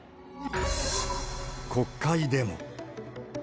国会でも。